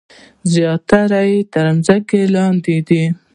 زیاتره یې تر ځمکې لاندې دي.